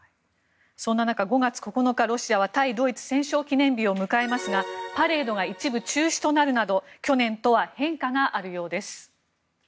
そんな中、５月９日ロシアは対ドイツ戦勝記念日を迎えますがパレードが一部中止となるなど去年とは変化があるようです。